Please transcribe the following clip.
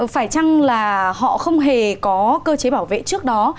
phải chăng là họ không hề có cơ chế bảo vệ trước đó